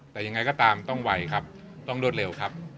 แต่ยังไงก็ตามต้องไวครับต้องรวดเร็วครับ